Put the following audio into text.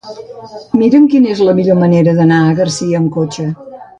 Mira'm quina és la millor manera d'anar a Garcia amb cotxe.